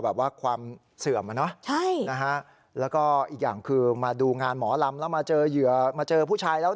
แบบว่าความเสื่อมนะแล้วก็อีกอย่างคือมาดูงานหมอลำแล้วมาเจอผู้ชายแล้ว๑